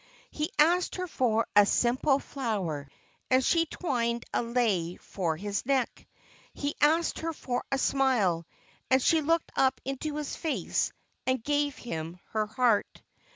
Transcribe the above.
He asked her for a simple flower, and she twined a lei for his neck. He asked her for a smile, and she looked up into his face and gave him her heart.